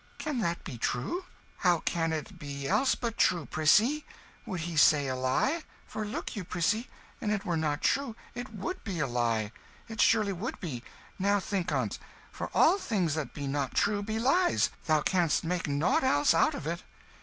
Can that be true?" "How can it be else but true, Prissy? Would he say a lie? For look you, Prissy, an' it were not true, it would be a lie. It surely would be. Now think on't. For all things that be not true, be lies thou canst make nought else out of it."